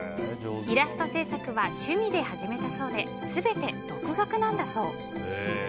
イラスト制作は趣味で始めたそうで全て独学なんだそう。